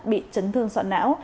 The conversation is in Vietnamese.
bị chấn thương sọt não